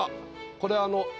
これあのま